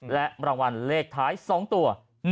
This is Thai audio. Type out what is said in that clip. และรางวัลเลขท้าย๒ตัว